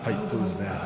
そうですね。